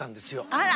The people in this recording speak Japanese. あら！